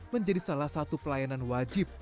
menjadi salah satu pelayanan wajib